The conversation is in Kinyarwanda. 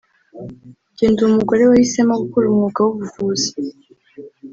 Jye ndi Umugore wahisemo gukora umwuga w’ubuvuzi